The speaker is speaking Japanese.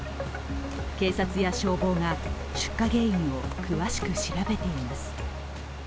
警察や消防が出火原因を詳しく調べています。